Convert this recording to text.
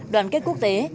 đoàn kết quốc tế